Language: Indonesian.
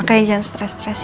makanya jangan stres stres ya